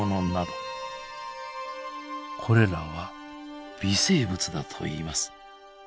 これらは微生物だといいます。